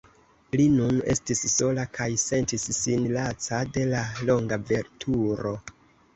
Li nun estis sola kaj sentis sin laca de la longa veturo.